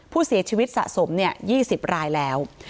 ผู้เสียชีวิตสะสม๒๐รายแล้ว